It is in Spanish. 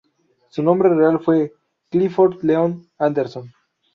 Su nombre real fue Clifford Leon Anderson.